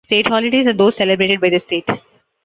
State holidays are those celebrated by the state.